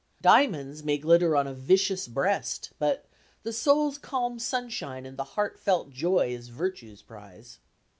"Diamonds may glitter on a vicious breast," but "the soul's calm sunshine and the heart felt joy is virtue's prize."